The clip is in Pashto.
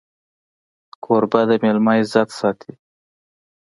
کوربه د مېلمه عزت ساتي.